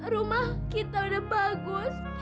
rumah kita udah bagus